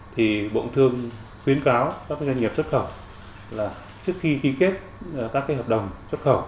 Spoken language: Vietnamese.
thì bộ thương khuyến cáo các doanh nghiệp xuất khẩu là trước khi ký kết các hợp đồng xuất khẩu